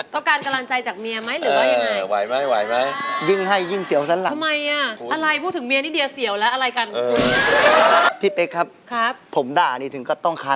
ต้องการกดลังใจจากเมียมั้ยหรือว่าอย่างไร